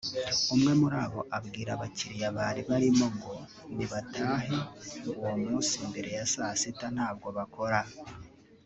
umwe muri bo abwira abakiliya bari barimo ngo nibatahe ngo uwo munsi mbere ya saa sita ntabwo bakora